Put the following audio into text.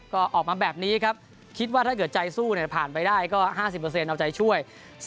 ก็ออกมาแบบนี้ครับคิดว่าถ้าเกิดใจสู้ผ่านไปได้ก็๕๐เอาใจช่วย